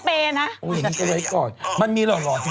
คุณหมอโดนกระช่าคุณหมอโดนกระช่า